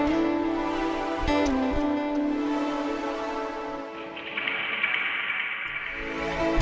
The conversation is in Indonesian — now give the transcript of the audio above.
ketika di smaller barangnya berjangan ke property model